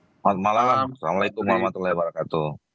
selamat malam assalamualaikum warahmatullahi wabarakatuh